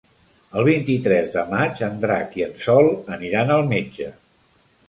El vint-i-tres de maig en Drac i en Sol aniran al metge.